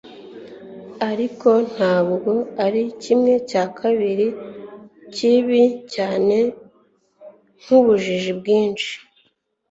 ariko ntabwo ari kimwe cya kabiri kibi cyane nk'ubujiji bwinshi